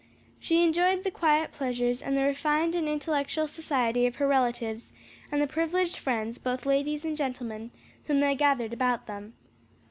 She enjoyed the quiet pleasures and the refined and intellectual society of her relatives and the privileged friends, both ladies and gentlemen, whom they gathered about them.